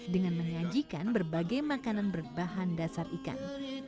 dengan menyajikan berbagai makanan berbahan dasar ikan